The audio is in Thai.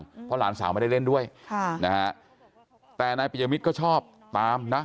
เพราะหลานสาวไม่ได้เล่นด้วยค่ะนะฮะแต่นายปิยมิตรก็ชอบตามนะ